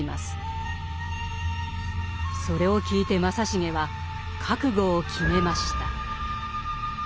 それを聞いて正成は覚悟を決めました。